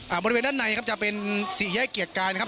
บริเวณด้านในครับจะเป็นสี่แยกเกียรติกายนะครับ